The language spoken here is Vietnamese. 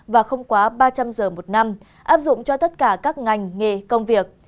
và không quá ba trăm linh giờ một năm áp dụng cho tất cả các ngành nghề công việc